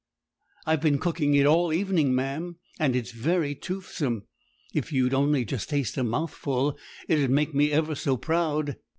I've been cooking it all evening, ma'am, and it's very toothsome. If you'd only just taste a mouthful, it 'ud make me ever so proud.'